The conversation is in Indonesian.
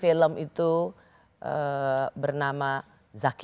di film itu bernama zaky